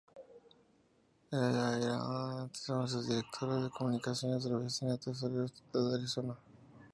Ella era entonces directora de comunicaciones en la oficina del tesorero estatal de Arizona.